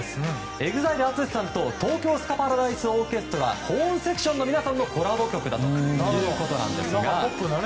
ＥＸＩＬＥＡＴＳＵＳＨＩさんと東京スカパラダイスオーケストラホーンセクションのコラボ曲だということなんですが。